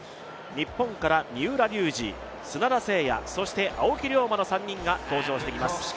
日本から三浦龍司砂田晟弥、そして青木涼真の３人が登場します。